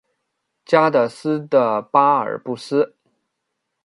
加的斯的巴尔布斯。